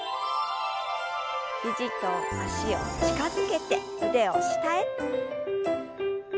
肘と脚を近づけて腕を下へ。